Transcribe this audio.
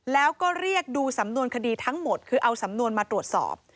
แล้วก็เรียกดูสำนวนคดีทั้งหมดคือเอาสำนวนมาตรวจสอบ